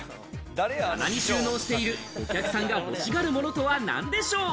棚に収納している、お客さんが欲しがるものとは一体なんでしょう？